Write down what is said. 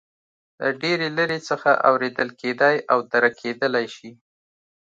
له ډېرې لرې څخه اورېدل کېدای او درک کېدلای شي.